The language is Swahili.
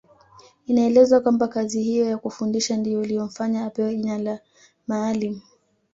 Inaelezwa kwamba kazi hiyo ya kufundisha ndiyo iliyomfanya apewe jina la Maalim